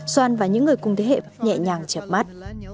soan và những người cùng thế hệ nhẹ nhàng chở mắt